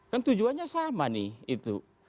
kan tujuannya sama nih itu